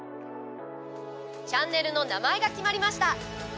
チャンネルの名前が決まりました。